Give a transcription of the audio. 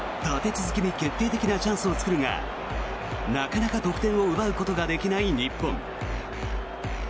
立て続けに決定的なチャンスを作るがなかなか得点を奪うことができない日本。